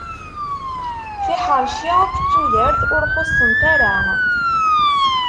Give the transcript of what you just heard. Tiḥerci aked tudert ur xuṣṣent ara.